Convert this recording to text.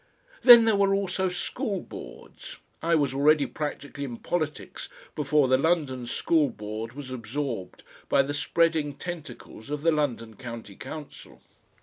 Then there were also School Boards; I was already practically in politics before the London School Board was absorbed by the spreading tentacles of the London County Council.